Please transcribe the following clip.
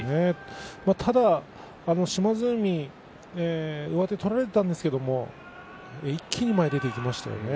ただ島津海は上手を取られたんですけど一気に前に出ていきましたね。